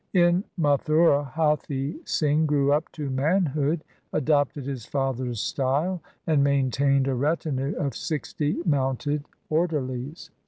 In Mathura Hathi Singh grew up to manhood, adopted his father's style, and maintained a retinue of sixty mounted orderlies.